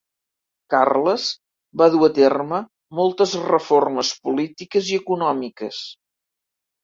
Carles va dur a terme moltes reformes polítiques i econòmiques.